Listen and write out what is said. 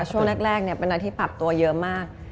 ช่วงแรกเป็นอะไรที่ปรับตัวเยอะมาก